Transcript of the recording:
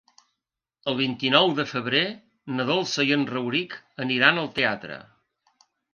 El vint-i-nou de febrer na Dolça i en Rauric aniran al teatre.